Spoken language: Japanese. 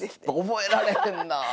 覚えられへんなあ。